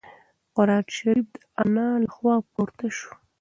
قرانشریف د انا له خوا پورته شو.